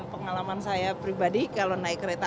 pengalaman saya pribadi kalau naik kereta